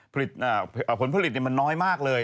เพราะว่าผลผลิตมันน้อยมากเลย